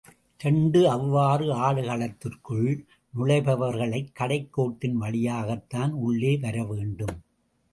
இரண்டு அவ்வாறு ஆடுகளத்திற்குள் நுழைபவர்கள் கடைக் கோட்டின் வழியாகத்தான் உள்ளே வர வேண்டும்.